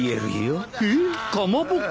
えっかまぼこ？